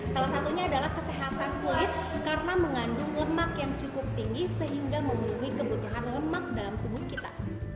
salah satunya adalah kesehatan kulit karena mengandung lemak yang cukup tinggi sehingga memenuhi kebutuhan lemak dalam tubuh kita